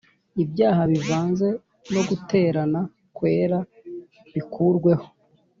ibyaha bivanze no guterana kwera bikurweho